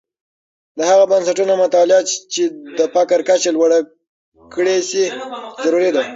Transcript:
د هغه بنسټونو مطالعه چې د فقر کچه لوړه کړې سي، ضروری ده.